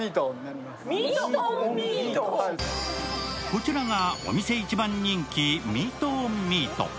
こちらがお店一番人気ミートオンミート。